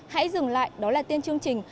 hãy dừng lại đó là tên chương trình